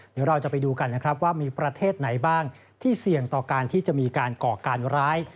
เดี๋ยวเราจะไปดูกันนะครับว่ามีประเทศไหนบ้างที่เสี่ยงต่อการที่จะมีการก่อการร้าย